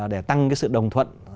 để tăng cái sự đồng thuận